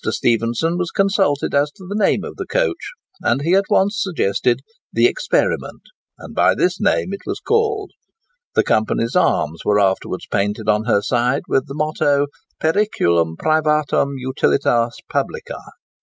Stephenson was consulted as to the name of the coach, and he at once suggested "The Experiment;" and by this name it was called. The Company's arms were afterwards painted on her side, with the motto "Periculum privatum utilitas publica."